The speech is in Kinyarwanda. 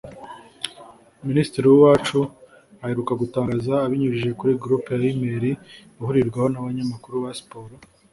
Minisitiri Uwacu aheruka gutangaza abinyujije kuri Groupe ya Emails ihurirwaho n’abanyamauru ba Siporo